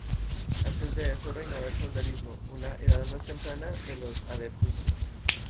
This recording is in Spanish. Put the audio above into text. Antes de eso reinaba el feudalismo, una "edad más temprana" de los "adeptos".